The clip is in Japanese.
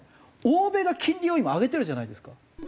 欧米が金利を今上げてるじゃないですか。